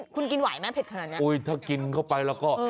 คุณกินไหวไหมเผ็ดขนาดนั้นโอ้ยถ้ากินเข้าไปแล้วก็